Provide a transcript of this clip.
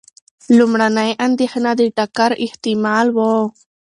لومړنۍ اندېښنه د ټکر احتمال و.